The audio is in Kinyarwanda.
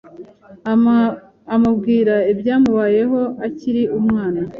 amubwira ibyamubayeho akiri umwana.